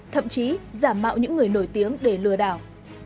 thậm chí giả mạo những người nổi tiếng để lừa đảo